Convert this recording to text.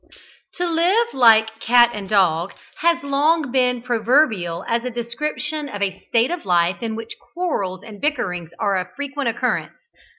To "live like cat and dog" has long been proverbial as a description of a state of life in which quarrels and bickerings are of frequent occurrence.